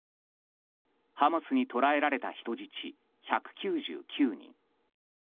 ハマスに捕らえられた人質１９９人。